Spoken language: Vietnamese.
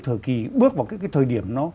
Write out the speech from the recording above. thời kỳ bước vào thời điểm nó